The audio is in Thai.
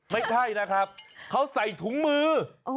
ไม่ใช่นะครับเขาใส่ถุงมือ